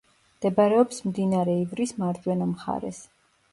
მდებარეობს მდინარე ივრის მარჯვენა მხარეს.